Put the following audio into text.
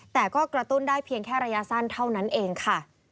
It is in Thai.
แต่ก็กระตุ้นได้เพียงแค่ระยะสั้นเท่านั้นเองค่ะ